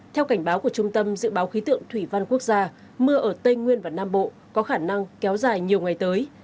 theo cảnh báo của trung tâm dự báo khí tượng thủy văn quốc gia mưa ở tây nguyên và nam bộ có khả năng kéo dài nhiều ngày tới